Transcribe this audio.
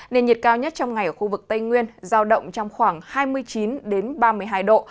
nền nhiệt cao nhất trong ngày ở khu vực tây nguyên giao động trong khoảng hai mươi chín ba mươi hai độ